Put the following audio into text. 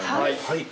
はい。